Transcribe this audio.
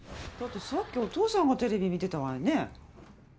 だってさっきお父さんがテレビ見てたわよね。